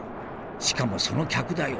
しかもその客だよ。